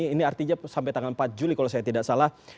ini artinya sampai tanggal empat juli kalau saya tidak salah